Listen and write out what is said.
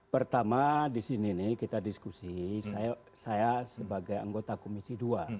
pertama di sini nih kita diskusi saya sebagai anggota komisi dua